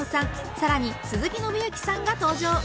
更に鈴木伸之さんが登場。